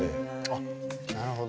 あっなるほど。